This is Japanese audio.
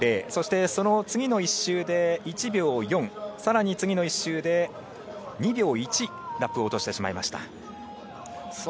そして次の１周で１秒４更に次の１周で２秒１ラップを落としてしまいました。